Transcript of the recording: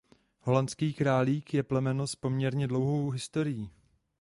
Holandský králík je plemeno s poměrně dlouhou historií.